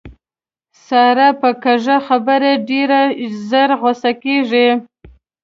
ساره په کږه خبره ډېره زر غوسه کېږي.